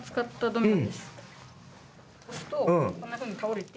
押すとこんなふうに倒れて。